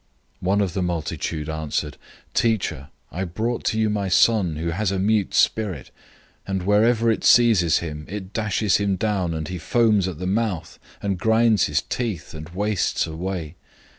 009:017 One of the multitude answered, "Teacher, I brought to you my son, who has a mute spirit; 009:018 and wherever it seizes him, it throws him down, and he foams at the mouth, and grinds his teeth, and wastes away.